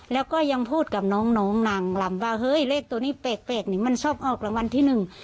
แล้วก็ยังพูดกับน้องน้องนางลำว่าเฮ้ยเลขตัวนี้แปลกแปลกนี่มันชอบออกรางวัลที่หนึ่ง